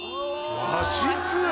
和室！